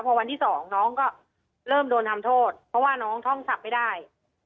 พอวันที่๒น้องก็เริ่มโดนทำโทษเพราะว่าน้องท่องสับไม่ได้